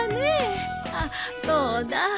あっそうだ。